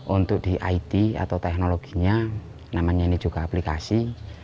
untuk di it atau teknologinya namanya ini juga aplikasi